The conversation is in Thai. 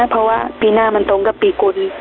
เพราะว่าปีหน้ามันตรงกับปีกุล